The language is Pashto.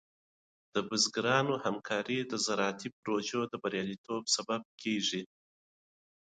د بزګرانو همکاري د زراعتي پروژو د بریالیتوب سبب کېږي.